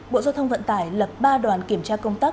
bộ giao thông vận tải lập ba đoàn kiểm tra công tác